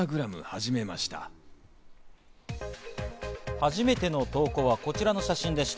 初めての投稿はこちらの写真でした。